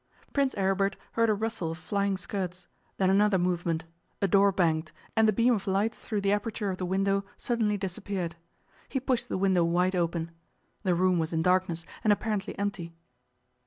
Prince Aribert heard a rustle of flying skirts; then another movement a door banged, and the beam of light through the aperture of the window suddenly disappeared. He pushed the window wide open. The room was in darkness, and apparently empty.